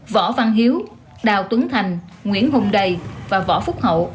võ văn hiếu đào tuấn thành nguyễn hùng đầy và võ phúc hậu